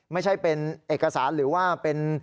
ไม่ใช่เป็นเอกสารหรือว่าเป็น